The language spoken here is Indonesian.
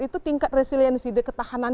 itu tingkat resiliensi ketahanan